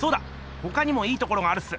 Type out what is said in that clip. ほかにもいいところがあるっす。